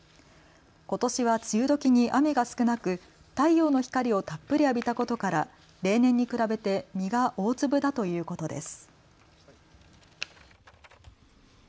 ことしは梅雨どきに雨が少なく太陽の光をたっぷり浴びたことから例年に比べて実が大粒だということです。